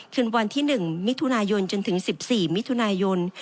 คืนวันที่๑มิถุนายนจนถึง๑๔มิถุนายน